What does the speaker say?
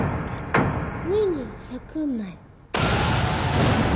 ２に１００枚。